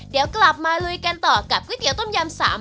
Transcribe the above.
เดี๋ยวกลับมาลุยกันต่อกับก๋วยเตี๋ยต้มยำ๓๐